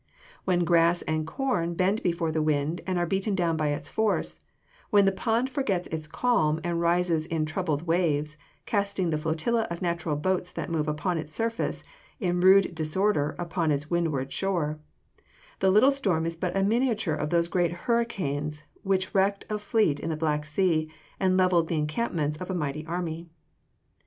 When grass and corn bend before the wind, and are beaten down by its force; when the pond forgets its calm, and rises in troubled waves, casting the flotilla of natural boats that move upon its surface, in rude disorder upon its windward shore, the little storm is but a miniature of those great hurricanes which wrecked a fleet in the Black Sea, and levelled the encampments of a mighty army.